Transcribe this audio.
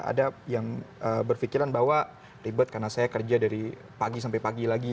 ada yang berpikiran bahwa ribet karena saya kerja dari pagi sampai pagi lagi